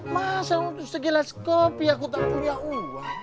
masa untuk segilas kopi aku tak punya uang